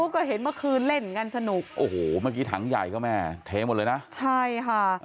ก็เห็นเมื่อคืนเล่นกันสนุกโอ้โหเมื่อกี้ถังใหญ่ก็แม่เทหมดเลยนะใช่ค่ะ